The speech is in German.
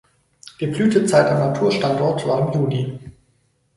Die Blütezeit am Naturstandort war im Juni.